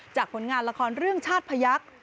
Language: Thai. ผลงานละครเรื่องชาติพยักษ์